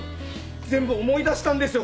全部思い出したんですよ